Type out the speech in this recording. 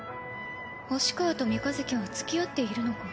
星川と三日月はつきあっているのか？